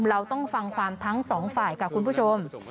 เราต้องฟังความทั้งสองฝ่ายค่ะคุณผู้ชม